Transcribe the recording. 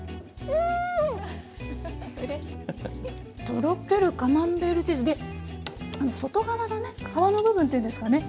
とろけるカマンベールチーズで外側のね皮の部分っていうんですかね